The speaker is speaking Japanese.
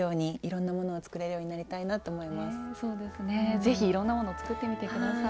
是非いろんなものを作ってみて下さい。